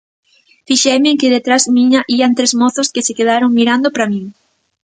Fixeime en que detrás miña ían tres mozos que se quedaron mirando pra min.